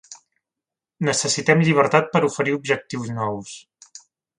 Necessitem llibertat per oferir objectius nous.